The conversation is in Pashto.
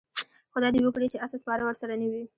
خدای دې وکړي چې اس سپاره ورسره نه وي.